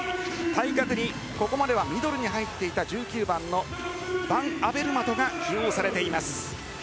対角にここまではミドルに入っていた１９番、バンアベルマトが起用されています。